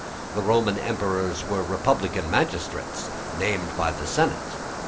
The Roman Emperors were republican magistrates, named by the senate.